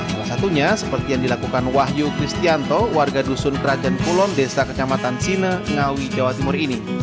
salah satunya seperti yang dilakukan wahyu kristianto warga dusun kerajaan kulon desa kecamatan sine ngawi jawa timur ini